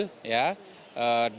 kemudian negara juga tetap adil